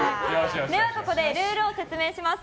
ここでルールを説明します。